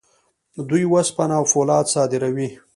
دوی وسپنه او فولاد صادروي.